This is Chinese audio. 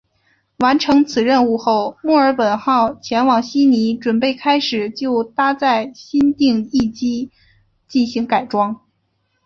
完成此任务后墨尔本号前往悉尼准备开始就搭载新定翼机进行改装。